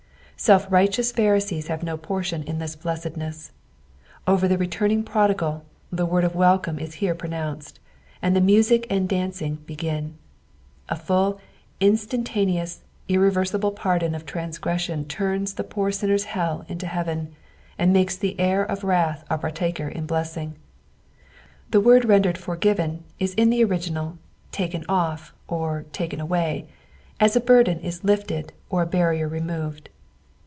Self righteous Pharisees have no portion in this blessedneaa. Over the returning prodigal, the word of welcome is here pronounced, and the music and dancing begin. A. full, instontaneoua, Irre Tersible pardon of transgression turns the poor sinner's hell into heaven, and makes the heir of wrath a partaker in blesung. The word rendered forgiven is in the original taken off or taken aiMy, as a burden is lifted or a barrier re moved.